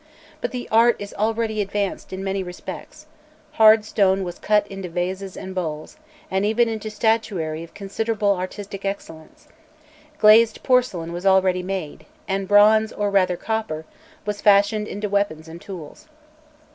But the art is already advanced in many respects; hard stone was cut into vases and bowls, and even into statuary of considerable artistic excellence; glazed porcelain was already made, and bronze, or rather copper, was fashioned into weapons and tools.